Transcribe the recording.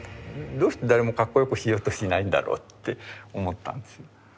どうして誰もかっこよくしようとしないんだろうって思ったんです。